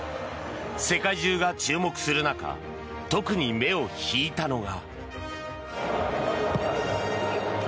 世界中が注目する中特に目を引いたのが。